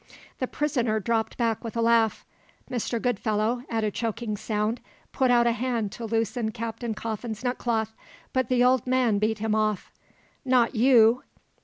The prisoner dropped back with a laugh. Mr. Goodfellow, at a choking sound, put out a hand to loosen Captain Coffin's neckcloth; but the old man beat him off. "Not you!